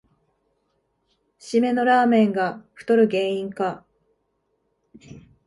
しめのラーメンが太る原因か